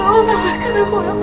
ya allah ya allah